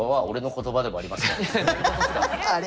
あれ？